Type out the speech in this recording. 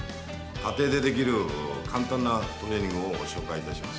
家庭でできる簡単なトレーニングをご紹介いたします。